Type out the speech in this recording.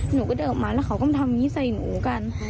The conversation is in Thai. หนูก็เดินออกมาแล้วเขาก็มาทำอย่างนี้ใส่หนูกัน